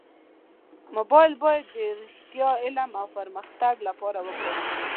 موبایل باید د رښتیا، علم او پرمختګ لپاره وکارېږي.